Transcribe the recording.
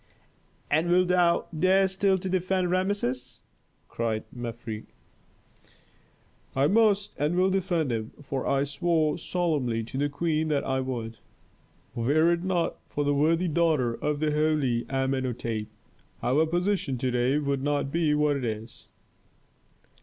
"And wilt thou dare still to defend Rameses?" cried Mefres. "I must and will defend him, for I swore solemnly to the queen that I would. Were it not for the worthy daughter of the holy Amenhôtep, our position to day would not be what it is."